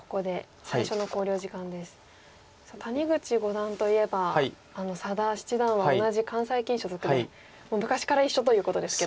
谷口五段といえば佐田七段は同じ関西棋院所属で昔から一緒ということですけど。